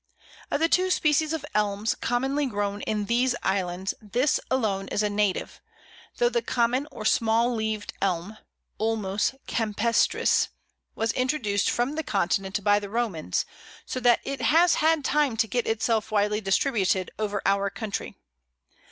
Of the two species of Elms commonly grown in these islands this alone is a native, though the Common or Small leaved Elm (Ulmus campestris) was introduced from the Continent by the Romans, so that it has had time to get itself widely distributed over our country.